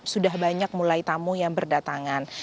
sudah banyak mulai tamu yang berdatangan